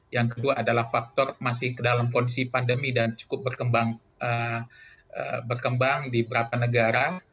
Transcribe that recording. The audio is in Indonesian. yang kedua adalah faktor masih dalam kondisi pandemi dan cukup berkembang di beberapa negara